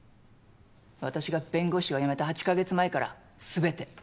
私が弁護士を辞めた８カ月前から全て。